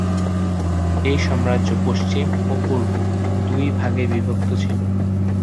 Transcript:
এই সাম্রাজ্য পশ্চিম ও পূর্ব দুই ভাগে বিভক্ত ছিল।